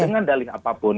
dengan dalih apapun